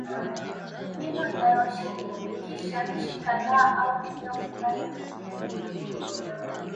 mbinu inayoshirikisha nchi kadhaa au eneo fulani ni muhimu ili